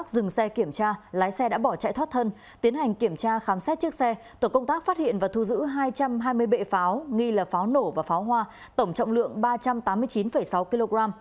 trước khi được kiểm tra khám xét chiếc xe tổ công tác phát hiện và thu giữ hai trăm hai mươi bệ pháo nghi là pháo nổ và pháo hoa tổng trọng lượng ba trăm tám mươi chín sáu kg